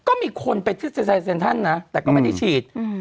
ก็มีคนไปที่เซ็นทรัลนะแต่ก็ไม่ได้ฉีด